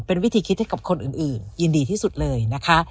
เป็นวิธีคิดให้กับคนอื่นยินดีที่สุดเลยนะคะ